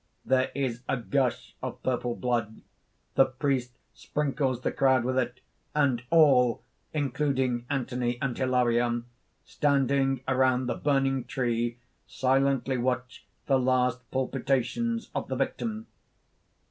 (_There is a gush of purple blood. The priest sprinkles the crowd with it; and all including Anthony and Hilarion standing around the burning tree, silently watch the last palpitations of the victim.